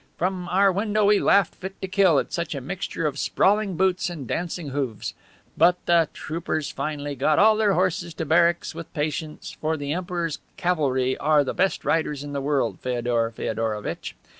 From our window we laughed fit to kill at such a mixture of sprawling boots and dancing hoofs. But the troopers finally got all their horses to barracks, with patience, for the Emperor's cavalry are the best riders in the world, Feodor Feodorovitch.